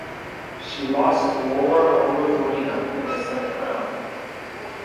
She lost to Lara Arruabarrena in the second round.